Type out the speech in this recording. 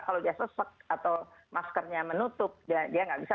kalau dia sesek atau maskernya menutup dia nggak bisa